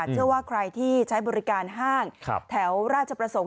เชื่อว่าใครที่ใช้บริการห้างแถวราชประสงค์